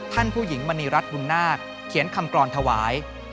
ผู้หญิงมณีรัฐบุญนาคเขียนคำกรอนถวาย